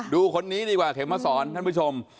ดูคนนี้ดีกว่าเข็มมาสอนท่านผู้ชม